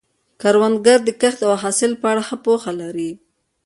کروندګر د کښت او حاصل په اړه ښه پوهه لري